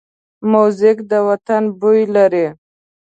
موزیک د وطن بوی لري.